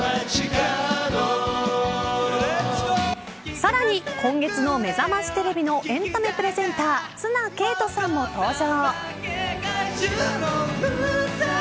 さらに、今月のめざましテレビのエンタメプレゼンターツナケイトさんも登場。